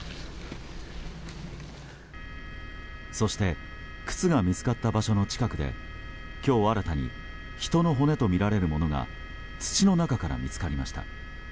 そして靴が見つかった場所の近くで今日、新たに人の骨とみられるものが土の中から見つかりました。